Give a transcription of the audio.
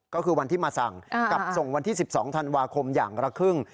ก็คือวันที่มาสั่งกับส่งวันที่๑๒ธันวาคมอย่างละครึ่ง